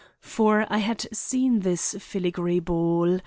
For I had seen this filigree ball.